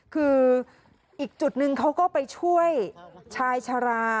คืออีกจุดนึงเขาก็ไปช่วยชายชารา